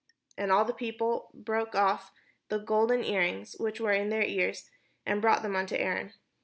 'And all the people brake off the golden earrings which were in their ears, and brought them unto Aaron.